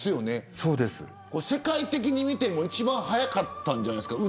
世界的に見ても一番早かったんじゃないですか